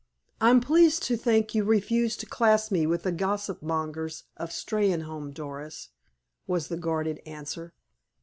"I'm pleased to think you refuse to class me with the gossip mongers of Steynholme, Doris," was the guarded answer.